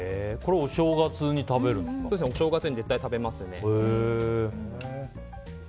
お正月に絶対食べますね。